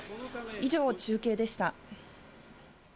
以上、中継でした。